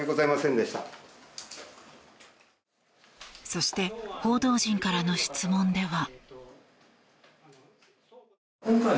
そして報道陣からの質問では。